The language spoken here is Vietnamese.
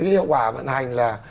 cái hiệu quả vận hành là